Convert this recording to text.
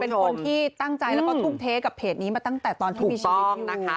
เป็นคนที่ตั้งใจแล้วก็ทุ่มเทกับเพจนี้มาตั้งแต่ตอนที่มีชีวิตนะคะ